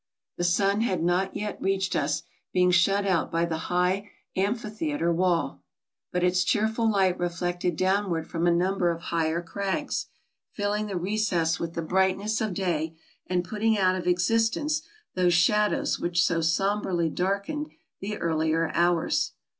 The sun had not yet reached us, being shut out by the high amphitheater wall; but its cheerful light reflected downward from a number of higher crags, filling the recess with the brightness of day, and putting out of existence those shadows which so somberly darkened the earlier hours.